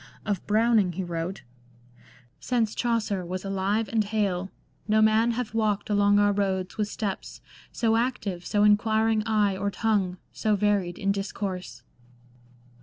Of Browning he wrote :—" Since Chaucer was alive and hale, No man hath walked along our roads with steps So active, so inquiring eye, or tongue So varied in discourse."